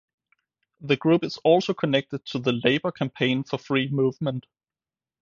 The group is also connected to the Labour Campaign for Free Movement.